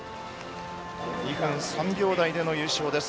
２分３秒台での優勝です。